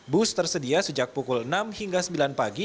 bus tersedia sejak pukul enam hingga sembilan pagi